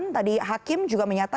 dan tadi hakim juga menyebutkan